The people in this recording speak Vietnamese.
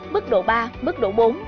mức độ ba mức độ bốn